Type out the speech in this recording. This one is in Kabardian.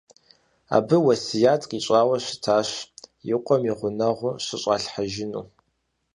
Абы уэсят къищӀауэ щытащ и къуэм и гъунэгъуу щыщӀалъхьэжыну.